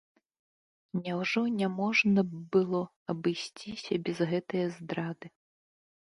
Няўжо няможна б было абысціся без гэтае здрады?